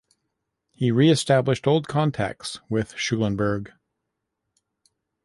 He reestablished old contacts with Schulenburg.